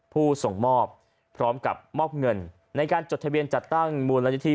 ผู้ส่งมอบพร้อมกับมอบเงินในการจดทะเบียนจัดตั้งมูลนิธิ